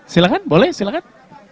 silahkan boleh silahkan